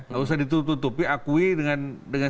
tak usah ditutup tutupi akui dengan